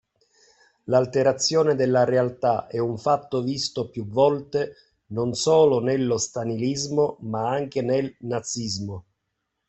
L'alterazione della realtà è un fatto visto più volte non solo nello stalinismo ma anche nel nazismo